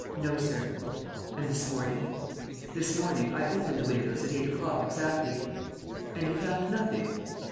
"No, sir." "And, this morning ...?" "This morning, I opened the windows at eight o'clock exactly." "And you found nothing?"